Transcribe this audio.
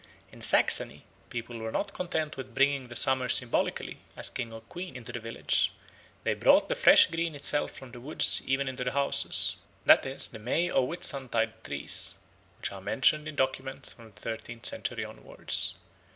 In Saxony "people were not content with bringing the summer symbolically (as king or queen) into the village; they brought the fresh green itself from the woods even into the houses: that is the May or Whitsuntide trees, which are mentioned in documents from the thirteenth century onwards.